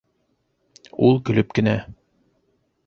Ул көлөп кенә: